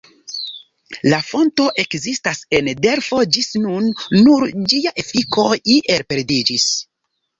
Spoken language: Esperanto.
La fonto ekzistas en Delfo ĝis nun, nur ĝia efiko iel perdiĝis.